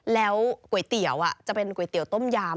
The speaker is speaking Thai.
แล้วก๋วยเตี๋ยวจะเป็นก๋วยเตี๋ยวต้มยำ